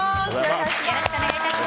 よろしくお願いします。